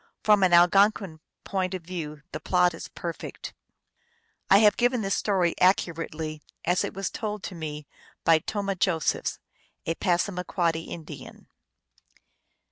From an Algonquin point of view the plot is perfect. I have given this story accurately as it was told to me by Tomah Josephs, a Passamaquoddy Indian.